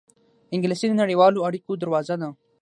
انګلیسي د نړیوالو اړېکو دروازه ده